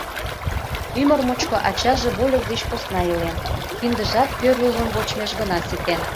Ӱмыр мучко ачаже вольык деч посна илен, киндыжат первый лум вочмеш гына ситен.